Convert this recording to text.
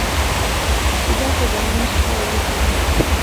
چې دا خو د مني شپې او ورځې دي.